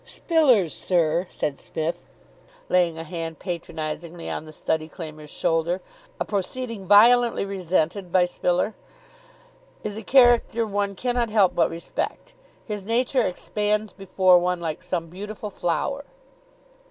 "Spiller's, sir," said Psmith, laying a hand patronisingly on the study claimer's shoulder a proceeding violently resented by Spiller "is a character one cannot help but respect. His nature expands before one like some beautiful flower."